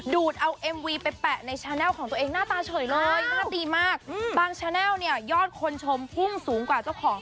ผู้สาวขาเฟี้ยว